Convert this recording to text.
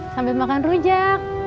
sambil makan rujak